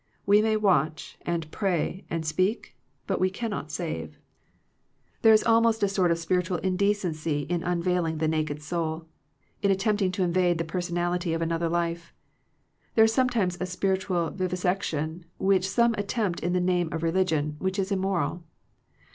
We may watch and pray and speak, but we cannot save. There is :k)9 Digitized by VjOOQIC THE LIMITS OF FRIENDSHIP almost a sort of spiritual indecency in un veiling the naked soul, in attempting to invade the personality of another life. There is sometimes a spiritual vivisection which some attempt in the name of re ligion, which is immoral.